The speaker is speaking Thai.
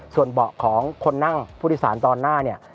ส่วนเบาะของคนนั่งผู้โดยสารตอนหน้าเนี่ย